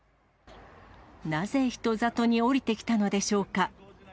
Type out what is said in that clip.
なぜ、人里に下りてきたのでしょうか。